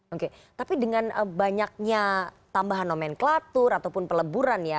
oke tapi dengan banyaknya tambahan nomenklatur ataupun peleburan ya